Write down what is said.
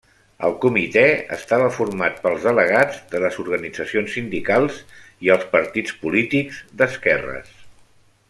El Comitè estava format pels delegats de les organitzacions sindicals i els partits polítics d'esquerres.